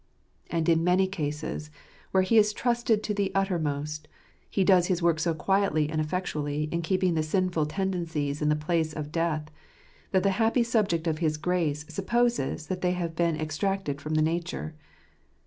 And in many cases, where He is trusted to the uttermost, He does his work so quietly and effectually in keeping the sinful tendencies in the place of death, that the happy subject of His grace supposes that they have been extracted from the nature.